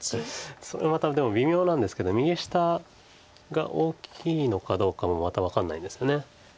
それまたでも微妙なんですけど右下が大きいのかどうかもまた分かんないです。